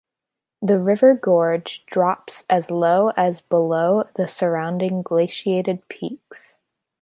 The river gorge drops as low as below the surrounding glaciated peaks.